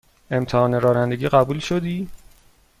امتحان رانندگی قبول شدی؟